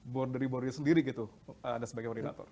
borderi borderi sendiri gitu anda sebagai koordinator